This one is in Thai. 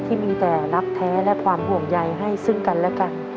ที่มีแต่รักแท้และความห่วงใยให้ซึ่งกันและกัน